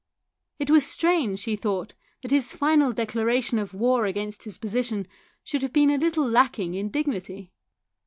It was strange, he thought, that his final declaration of war against his position should have been a little lacking in dignity.